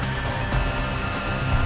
kita ngapain kesini sih